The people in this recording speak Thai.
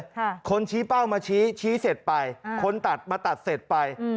คนชี้เป้ามาชี้ชี้เสร็จไปอ่าคนตัดมาตัดเสร็จไปอืม